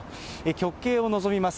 極刑を望みます。